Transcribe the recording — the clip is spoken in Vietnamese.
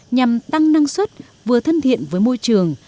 nhằm tăng năng suất vừa thân thiện với môi trường